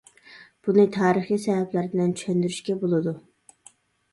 بۇنى تارىخىي سەۋەبلەر بىلەن چۈشەندۈرۈشكە بولىدۇ.